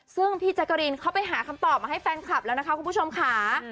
ซึ่งพี่แจ๊กกะรีนเข้าไปหาคำตอบมาให้แฟนคลับแล้วนะคะคุณผู้ชมค่ะ